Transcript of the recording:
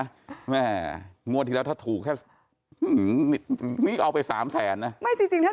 ธูระวังแม่มัวเดี๋ยวถูกแค่นี้เอาไป๓๐๐๐บาทมันนะ